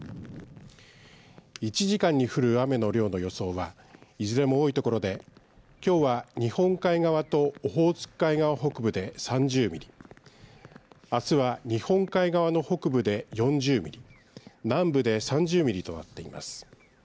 １時間に降る雨の量の予想はいずれも多いところできょうは日本海側とオホーツク海側北部で３０ミリあすは日本海側の北部で４０ミリ南部で３０ミリとなっています。